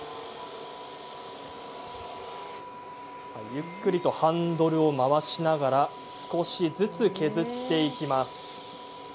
ゆっくりとハンドルを回しながら少しずつ削っていきます。